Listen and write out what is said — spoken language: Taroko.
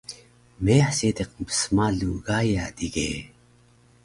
Meyah seediq mpsmalu Gaya dige